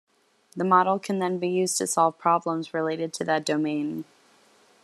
The model can then be used to solve problems related to that domain.